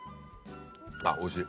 あっおいしい。